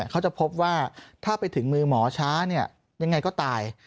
เขาจะพบว่าถ้าไปถึงมือหมอช้ายังไงก็ตาย